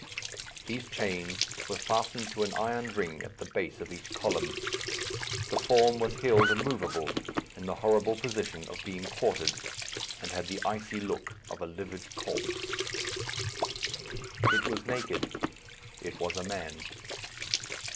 These chains were fastened to an iron ring at the base of each column. The form was held immovable, in the horrible position of being quartered, and had the icy look of a livid corpse. It was naked. It was a man.